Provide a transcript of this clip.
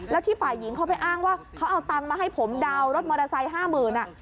แล้วที่ฝ่ายหญิงเขาไปอ้างว่าเขาเอาตังค์มาให้ผมดาวน์รถมอเตอร์ไซค์๕๐๐๐บาท